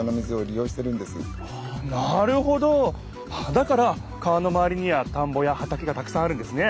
だから川のまわりには田んぼや畑がたくさんあるんですね！